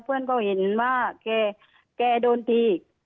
เพื่อนเขาเห็นว่าแกโดนตี